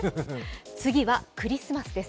次はクリスマスです。